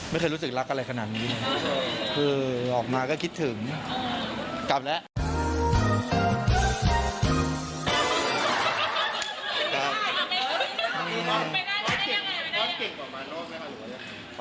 ไม่เคยรู้สึกรักอะไรขนาดนี้คือออกมาก็คิดถึงกลับแล้ว